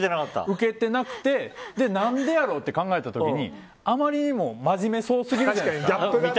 ウケてなくて何でやろって考えた時にあまりにも真面目そうすぎるじゃないですか。